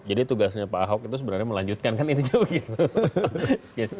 jadi tugasnya pak ahok itu sebenarnya melanjutkan kan itu juga begitu